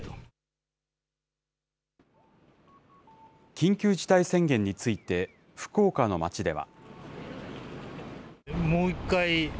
緊急事態宣言について、福岡の街では。